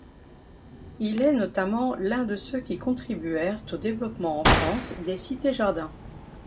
Il est notamment l'un de ceux qui contribuèrent au développement en France des cités-jardins.